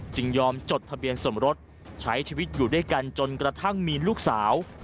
ยอมจดทะเบียนสมรสใช้ชีวิตอยู่ด้วยกันจนกระทั่งมีลูกสาว